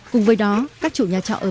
cùng với đó các chủ nhà trọ ở bình dương